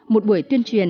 một buổi tuyên truyền